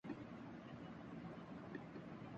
یوں پیر مغاں شیخ حرم سے ہوئے یک جاں